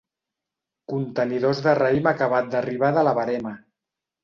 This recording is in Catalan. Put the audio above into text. Contenidors de raïm acabat d'arribar de la verema.